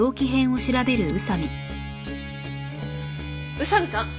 宇佐見さん！